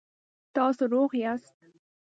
تاسو روغ یاست؟